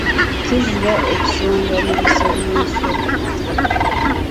Kizira okusonga mu liiso ly’enswa.